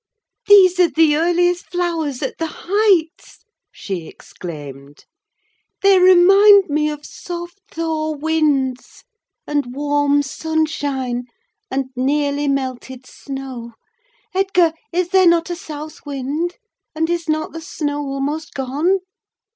"These are the earliest flowers at the Heights," she exclaimed. "They remind me of soft thaw winds, and warm sunshine, and nearly melted snow. Edgar, is there not a south wind, and is not the snow almost gone?"